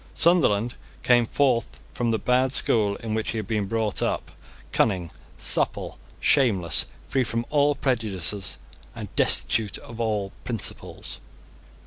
Sunderland came forth from the bad school in which he had been brought up, cunning, supple, shameless, free from all prejudices, and destitute of all principles.